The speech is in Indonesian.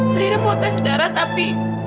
saya mau tes darah tapi